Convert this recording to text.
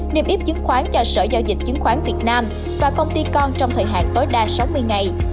niêm yếp chứng khoán cho sở giao dịch chứng khoán việt nam và công ty con trong thời hạn tối đa sáu mươi ngày